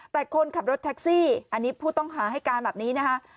แต่คนขับรถแท็กซี่อันนี้ผู้ต้องหาให้การแบบนี้นะคะ